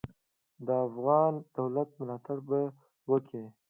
د افغان دولت ملاتړ به وکي.